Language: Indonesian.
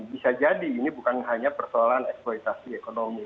bisa jadi ini bukan hanya persoalan eksploitasi ekonomi